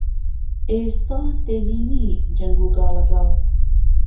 ئێیستا دهبینی جهنگ وگاڵهگاڵ